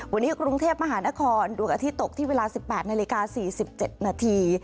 วันนี้กรุงเทพมหานครดวงอาทิตย์ตกที่เวลา๑๘นาฬิกา๔๗นาที